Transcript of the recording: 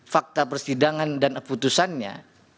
fakta persidangan dan putusannya